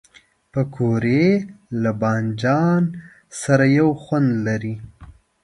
پکورې له بادنجان سره یو خوند لري